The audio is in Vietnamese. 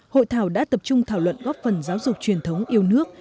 hội thảo đã tập trung thảo luận góp phần giáo dục truyền thống yêu nước